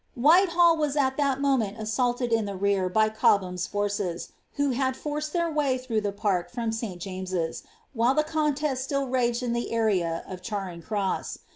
Whitehall was at that moment assaulted in the rear by Cobham^s forces, who had forced their way through the park from St. James's, while the contest still raged in the area of Charing Cross.